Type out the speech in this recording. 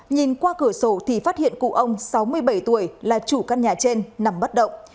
nhìn qua cửa sổ thì phát hiện cụ ông sáu mươi bảy tuổi là chủ căn nhà trên nằm bất động